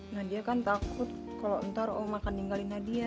nadia kan takut kalau nanti om akan ninggalin nadia